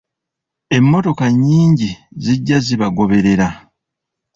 Emmotoka nnyingi zajja zibagoberera.